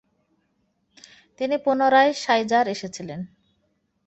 তিনি পুনরায় শাইজার এসেছিলেন।